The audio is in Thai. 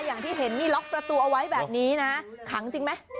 อย่างที่เห็นนี่ล็อกประตูเอาไว้แบบนี้นะขังจริงไหม